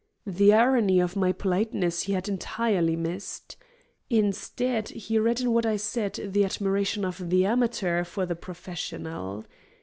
The irony of my politeness he had entirely missed. Instead, he read in what I said the admiration of the amateur for the professional.